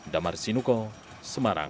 damar sinuko semarang